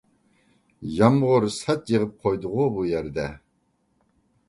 يامغۇر سەت يېغىپ قويدىغۇ بۇ يەردە.